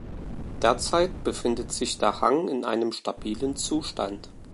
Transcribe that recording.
Derzeit befindet sich der Hang in einem stabilen Zustand.